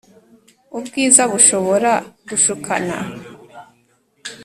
Ubwiza bushobora gushukana